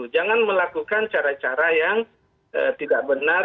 jangan melakukan cara cara yang tidak benar